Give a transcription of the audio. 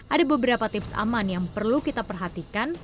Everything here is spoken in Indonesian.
ada beberapa tips aman yang perlu kita perhatikan